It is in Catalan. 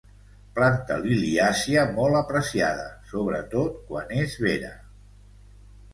Planta liliàcia molt apreciada, sobretot quan és vera.